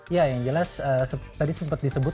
ya yang jelas tadi sempat disebut